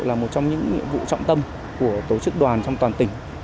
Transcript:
là một trong những nhiệm vụ trọng tâm của tổ chức đoàn trong toàn tỉnh